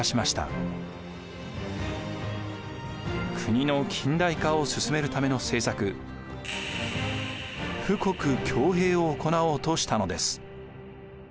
国の近代化を進めるための政策富国強兵を行おうとしたのです。